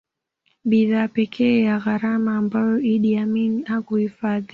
Bidhaa pekee ya gharama ambayo Idi Amin hakuhifadhi